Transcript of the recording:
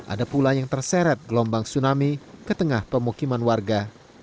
ada pula yang terseret gelombang tsunami ke tengah pemukiman warga